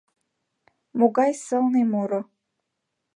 — Могай сылне муро...